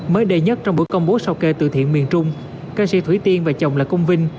mới đầy nhất trong bữa công bố sao kê từ thiện miền trung ca sĩ thủy tiên và chồng là công vinh